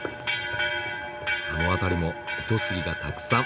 あの辺りも糸杉がたくさん。